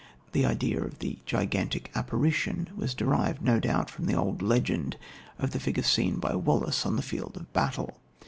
The idea of the gigantic apparition was derived, no doubt, from the old legend of the figure seen by Wallace on the field of battle.